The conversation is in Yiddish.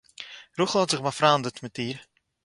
רחל האָט זיך באַפריינדעט מיט איר